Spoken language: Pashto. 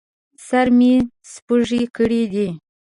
سر مې سپږې کړي دي